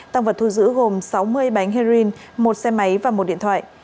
tăng vật thu giữ gồm sáu mươi bánh heroin một xe máy và một điện thoại